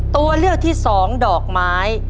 ตัวเลือกที่สองดอกไม้